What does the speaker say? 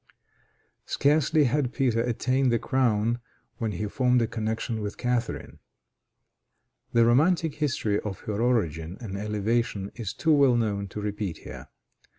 Scarcely had Peter attained the crown when he formed a connection with Catharine. The romantic history of her origin and elevation is too well known to repeat here.